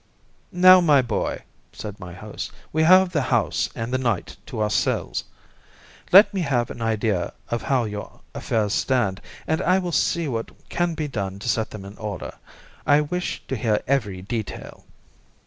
"Now, my boy," said my host, "we have the house and the night to ourselves. Let me have an idea of how your affairs stand, and I will see what can be done to set them in order. I wish to hear every detail."